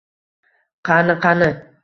Qani-qani?